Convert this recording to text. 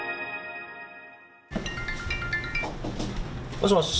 もしもし。